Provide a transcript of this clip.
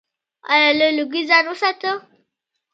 ایا له لوګي ځان وساتم؟